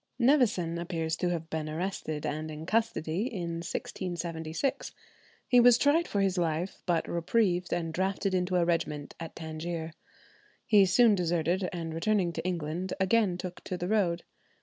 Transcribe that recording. Nevison appears to have been arrested and in custody in 1676. He was tried for his life, but reprieved and drafted into a regiment at Tangier. He soon deserted, and returning to England, again took to the road.